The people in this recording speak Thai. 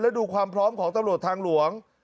และดูความพร้อมของตำรวจทางหลวง